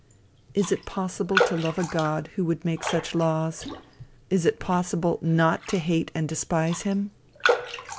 Is it possible to love a God who would make such laws? Is it possible not to hate and despise him?